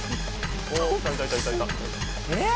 えっ？